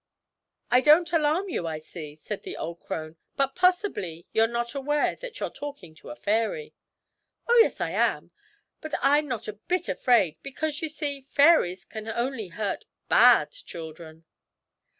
'I don't alarm you, I see,' said the old crone; 'but possibly you're not aware that you're talking to a fairy?' 'Oh, yes, I am but I'm not a bit afraid, because, you see, fairies can only hurt bad children.'